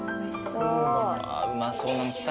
うまそうなの来た。